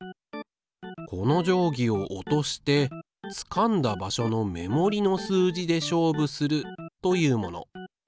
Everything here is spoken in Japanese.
この定規を落としてつかんだ場所の目盛りの数字で勝負するというもの。